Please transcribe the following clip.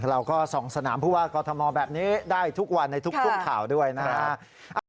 เราก็ส่องสนามผู้ว่ากอทมแบบนี้ได้ทุกวันในทุกข่าวด้วยนะฮะ